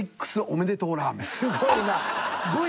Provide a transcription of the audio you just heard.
すごいな。